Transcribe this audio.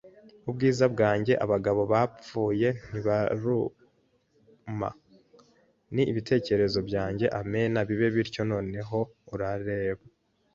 ubwiza bwanjye; abagabo bapfuye ntibaruma; ni ibitekerezo byanjye - amen, bibe bityo. Noneho, urareba